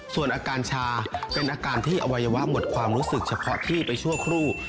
ส่วนอาการชาเป็นอาการที่อวัยวะหมดความรู้สึกเฉพาะที่ไปชั่วครู่